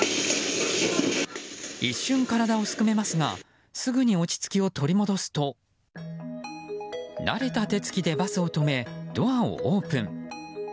一瞬体をすくめますがすぐに落ち着きを取り戻すと慣れた手つきでバスを止めドアをオープン。